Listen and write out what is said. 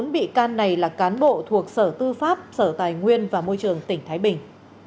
bốn bị can này là cán bộ thuộc sở tư pháp sở tài nguyên và môi trường tỉnh thái bình